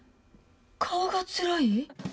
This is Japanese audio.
顔がつらい？